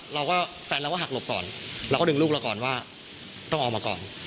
เราก็แฟนเราก็หักหลบก่อนเราก็ดึงลูกเราก่อนว่าต้องออกมาก่อน